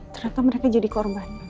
ternyata mereka jadi korban